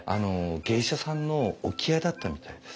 芸者さんの置き屋だったみたいです。